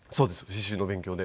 刺繍の勉強で。